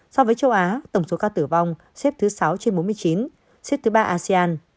so với châu á tổng số ca tử vong xếp thứ sáu trên bốn mươi chín xếp thứ ba asean